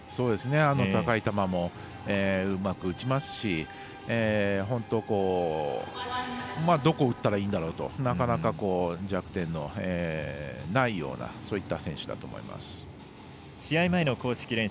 高い球もうまく打ちますし本当どこ打ったらいいんだろうとなかなか弱点のないようなそういった選手だと思います。